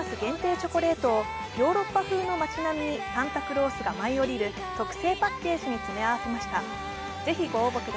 チョコレートをヨーロッパ風の街並みにサンタクロースが舞い降りる特製パッケージに詰め合わせました。